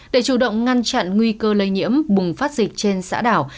để chủ động ngăn chặn nguy cơ lây nhiễm bùng phát dịch trên xã đảo